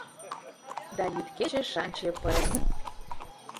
Да йӱд-кече шанче пырыс